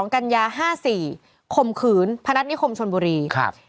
๒๒กัญญา๕๔ข่มขืนพนัฐนิคมชนบุรี